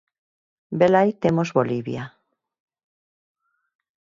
Velaí temos Bolivia.